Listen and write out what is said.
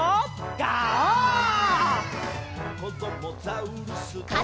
「こどもザウルス